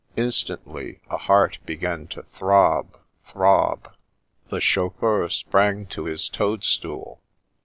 Instantly a heart began to throb, throb. The chauffeur sprang to his toadstool.